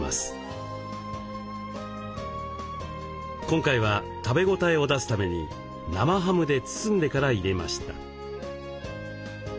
今回は食べ応えを出すために生ハムで包んでから入れました。